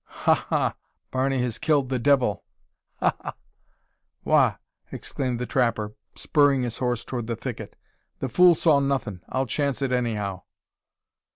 "Ha! ha! Barney has killed the devil. Ha! ha!" "Wagh!" exclaimed a trapper, spurring his horse toward the thicket; "the fool saw nothin'. I'll chance it, anyhow."